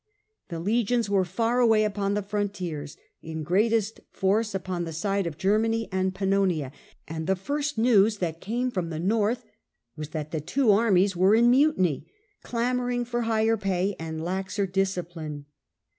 The legions were far away upon the frontiers, in greatest force upon the side of Germany and Pannonia ; and the first news They were camc from the North was that the two in mutiny, armies were in mutiny, clamouring for higher pay and laxer discipline.